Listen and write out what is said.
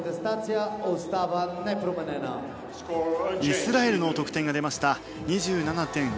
イスラエルの得点が出ました、２７．１５０。